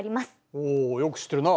およく知ってるな。